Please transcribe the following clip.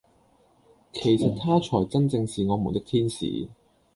其實他才真正是我們的天使。